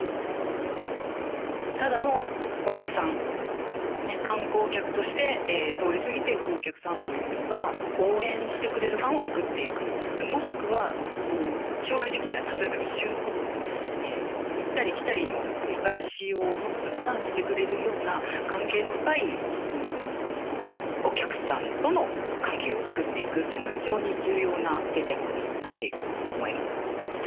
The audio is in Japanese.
ただのお客さん、観光客として通り過ぎていくお客さんというよりは、応援してくれるファンを作っていく、もしくは将来的には例えば移住とかね、行ったり来たりの繰り返しをもっとたくさんしてくれるような関係の深いお客さんとの関係を作っていくっていうのは、非常に重要な戦略になっていくと思います。